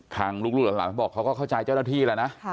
ทางลูกรูปหลังหลังบอกเขาก็เข้าใจเจ้าหน้าที่แล้วนะค่ะ